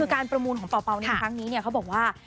การประมูลของเปาเปานี้ครั้งนี้เนี่ยเขาบอกว่า